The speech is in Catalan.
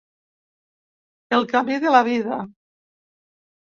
El camí de la vida.